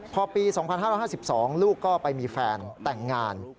พอปี๒๕๕๒ลูกก็ไปมีแฟนแต่งงาน